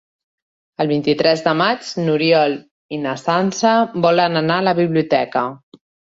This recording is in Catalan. El vint-i-tres de maig n'Oriol i na Sança volen anar a la biblioteca.